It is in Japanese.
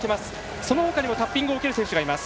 そのほかにもタッピングを受ける選手がいます。